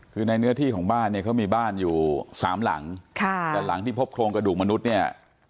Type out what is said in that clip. คือในเนื้อที่ของบ้านเนี่ยเขามีบ้านอยู่สามหลังค่ะแต่หลังที่พบโครงกระดูกมนุษย์เนี่ย